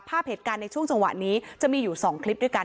ภาพเหตุการณ์ในช่วงจังหวะนี้จะมีอยู่๒คลิปด้วยกัน